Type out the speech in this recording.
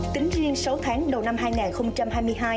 tính riêng sáu tháng đầu năm